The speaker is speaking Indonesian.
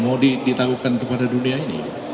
mau ditaruhkan kepada dunia ini